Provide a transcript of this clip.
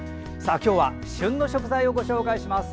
今日は旬の食材をご紹介します。